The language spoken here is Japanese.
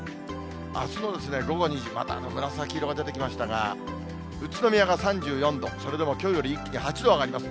あすの午後２時、また紫色が出てきましたが、宇都宮が３４度、それでもきょうより一気に８度上がります。